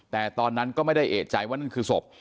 แต่ตอนนั้นก็ไม่ได้เอกใจว่านั่นคือศพ